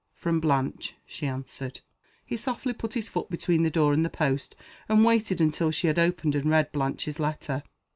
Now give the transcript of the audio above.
"From Blanche," she answered. He softly put his foot between the door and the post and waited until she had opened and read Blanche's letter.